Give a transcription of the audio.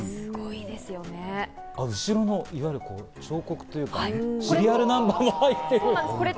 後ろの彫刻というか、シリアルナンバーも入ってる。